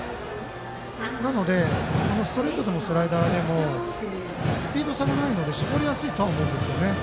なので、ストレートでもスライダーでもスピード差がないので絞りやすいとは思います。